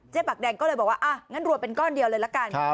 ปากแดงก็เลยบอกว่างั้นรัวเป็นก้อนเดียวเลยละกัน